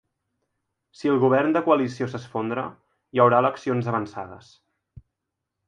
Si el govern de coalició s’esfondra, hi haurà eleccions avançades.